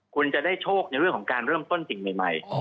คุณจะได้โชคในเรื่องของการเริ่มต้นสิ่งใหม่